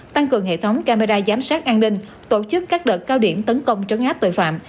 tăng cường hệ thống camera giám sát an ninh tổ chức các đợt cao điểm tấn công trấn áp tội phạm